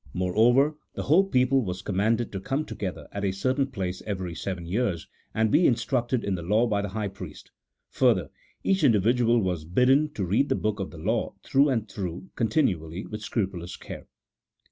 Moreover, the whole people was commanded to come together at a certain place every seven years and be instructed in the law by the high priest ; further, each in dividual was bidden to read the book of the law through and through continually with scrupulous care.